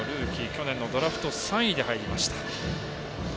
去年のドラフト３位で入りました。